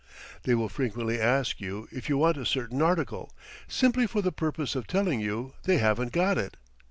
They will frequently ask you if you want a certain article, simply for the purpose of telling you they haven't got it.